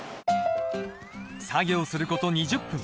作業する事２０分。